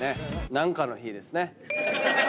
何かの日ですね。